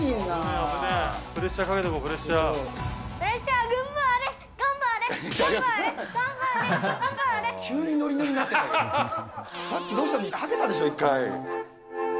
さっきどうしたの、はけたでしょ、１回。